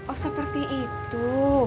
oh seperti itu